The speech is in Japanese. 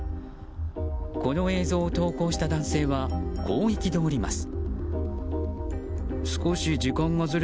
この映像を投稿した男性はこう憤ります。